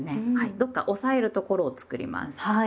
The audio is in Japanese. どっか押さえるところを作ります。